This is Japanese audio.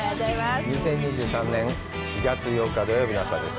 ２０２３年４月８日土曜日の朝です。